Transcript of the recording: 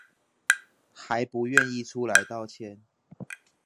還不願意出來道歉